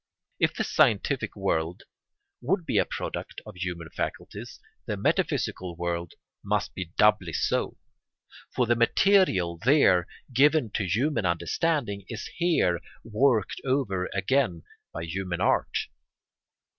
If the scientific world be a product of human faculties, the metaphysical world must be doubly so; for the material there given to human understanding is here worked over again by human art.